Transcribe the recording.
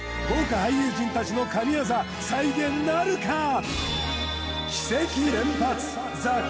豪華俳優陣達の神業再現なるか！？